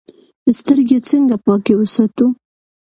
سترګې څنګه پاکې وساتو؟